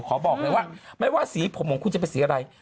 ขอบอกเลยว่าไม่ว่าสีผมของคุณจะเป็นสีอะไร